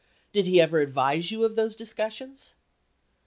Did he ever advise you of those discussions